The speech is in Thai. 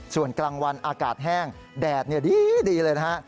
ส่วนกลางวันอากาศแห้งแดดดีเลยนะฮะ